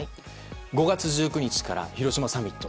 ５月１９日から広島サミット。